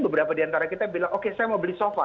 beberapa diantara kita bilang oke saya mau beli sofa